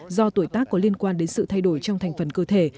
do tuổi tác có liên quan đến sự thay đổi trong thành phần cơ thể